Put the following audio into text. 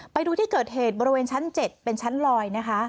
ไปดูที่เกิดเหตุบริเวณชั้น๗เป็นชั้นลอยนะคะ